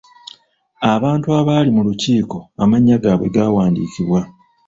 Abantu abaali mu lukiiko amannya g'abwe gawandiikibwa.